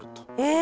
え！